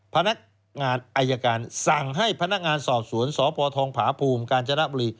พนักงานอายการสั่งให้พนักงานสอบสวนสพภาพูมกจบ